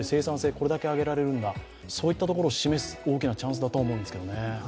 これだけあげられるんだ、そういったところを示す大きなチャンスだと思うんですけどもね。